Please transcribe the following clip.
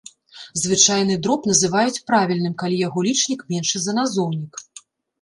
Звычайны дроб называюць правільным, калі яго лічнік меншы за назоўнік.